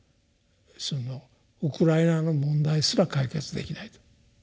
そのウクライナの問題すら解決できない。